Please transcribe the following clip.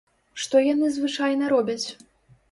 Што яны звычайна робяць?